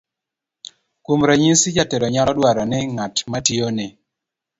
kuom ranyisi, jatelo nyalo dwaro ni ng'at ma tiyone